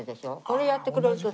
これやってくれると。